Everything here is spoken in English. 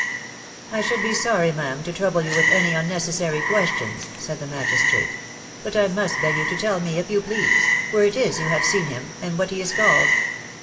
" I should be .sorry, ma'am, to trouble you with any un necessary questions,'* <said the magistrate.; "but I must beg you to tell me, if you please, where it is you have seen him, and what: he is called?"